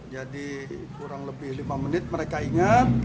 jadi kurang lebih lima menit mereka ingat